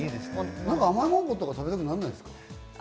甘いものとか食べたくならないですか？